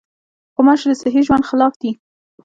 غوماشې د صحي ژوند خلاف دي.